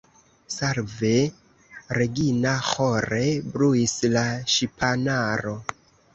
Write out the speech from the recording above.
« Salve Regina » ĥore bruis la ŝipanaro.